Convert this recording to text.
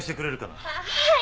はい！